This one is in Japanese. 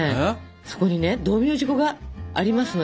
そこにね道明寺粉がありますのよ。